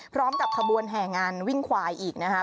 พร้อมกับขบวนแห่งานวิ่งควายอีกนะคะ